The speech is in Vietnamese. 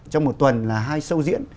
trong một tuần là hai show diễn